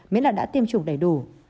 miễn là đã tìm kiếm các ca nhiễm